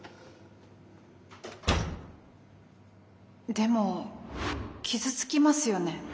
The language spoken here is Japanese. でも傷つきますよね。